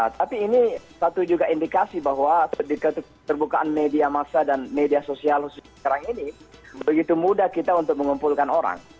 tapi ini satu juga indikasi bahwa di keterbukaan media massa dan media sosial sekarang ini begitu mudah kita untuk mengumpulkan orang